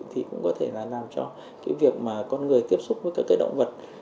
thì cũng có thể là làm cho cái việc mà con người tiếp xúc với các cái động vật